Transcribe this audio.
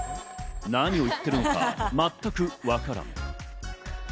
何を言ってるのか全くわからん。